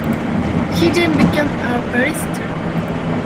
He then became a barrister.